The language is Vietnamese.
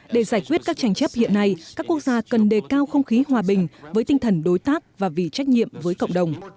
để giải quyết các tranh chấp hiện nay các quốc gia cần đề cao không khí hòa bình với tinh thần đối tác và vì trách nhiệm với cộng đồng